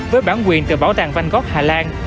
với bản quyền từ bảo tàng van gogh hà lan